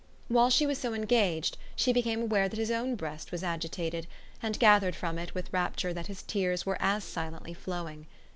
While she was so engaged she became aware that his own breast was agitated, and gathered from it with rapture that his tears were as silently flowing.